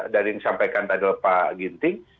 dari yang disampaikan tadi oleh pak ginting